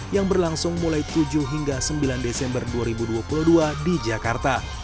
yang berlangsung mulai tujuh hingga sembilan desember dua ribu dua puluh dua di jakarta